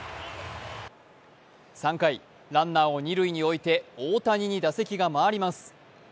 ３回、ランナーを二塁に置いて大谷に打席が回ります。